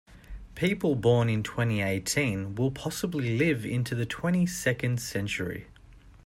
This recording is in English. People born in twenty-eighteen will possibly live into the twenty-second century.